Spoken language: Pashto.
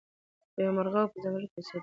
یو مرغه وو په ځنګله کي اوسېدلی